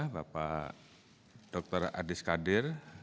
bapak dr adi skadir